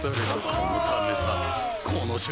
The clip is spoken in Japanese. このためさ